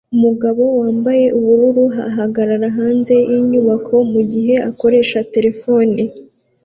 Umugabo wambaye ubururu ahagarara hanze yinyubako mugihe akoresha terefone